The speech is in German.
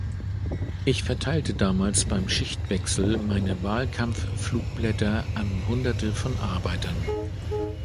Ich verteilte damals beim Schichtwechsel meine Wahlkampfflugblätter an Hunderte von Arbeitern.